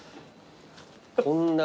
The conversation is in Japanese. こんな。